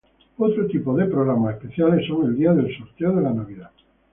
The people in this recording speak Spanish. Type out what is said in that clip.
Otro tipo de programas especiales son el día del sorteo de la Navidad.